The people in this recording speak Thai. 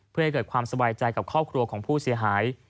เพื่อให้เกิดความสบายใจกับครอบครัวของผู้เสียหาย